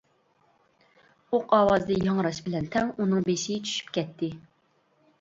ئوق ئاۋازى ياڭراش بىلەن تەڭ ئۇنىڭ بېشى چۈشۈپ كەتتى.